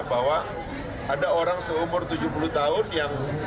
bahwa ada orang seumur tujuh puluh tahun yang